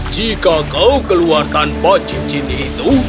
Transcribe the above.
jika kau keluar tanpa cincin itu